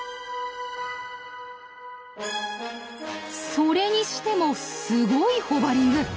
それにしてもすごいホバリング！